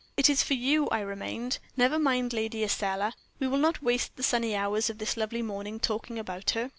"It is for you I remained never mind Lady Estelle. We will not waste the sunny hours of this lovely morning talking about her.